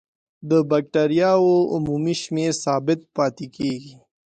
د بکټریاوو عمومي شمېر ثابت پاتې کیږي.